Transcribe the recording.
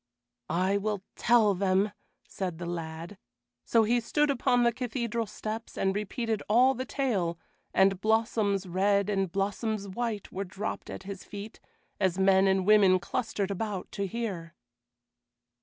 "I will tell them," said the lad; so he stood upon the cathedral steps and repeated all the tale, and blossoms red and blossoms white were dropped at his feet, as men and women clustered about to hear.